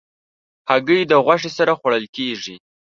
هګۍ د غوښې سره خوړل کېږي.